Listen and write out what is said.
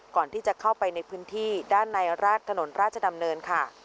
ก่อนที่จะเข้าไปในพื้นที่ด้านในราชถนนราชดำเนินค่ะ